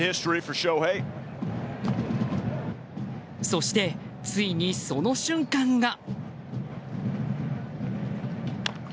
そして、ついにその瞬間が。